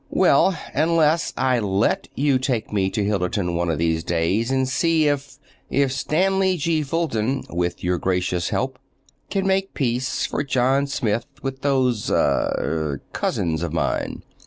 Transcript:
"Well, unless—I let you take me to Hillerton one of these days and see if—if Stanley G. Fulton, with your gracious help, can make peace for John Smith with those—er—cousins of mine.